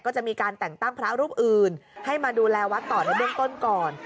ก็จะมีการแต่งตั้งพระรูปอื่นให้มาดูแลวัดต่อในเบื้องต้นก่อน